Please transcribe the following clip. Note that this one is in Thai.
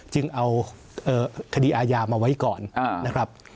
จึงเอาคดีอาญามาไว้ก่อนนะครับ